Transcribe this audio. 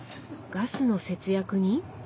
ガスの節約に？